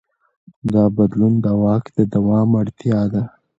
دا بدلون د واک د دوام اړتیا ده.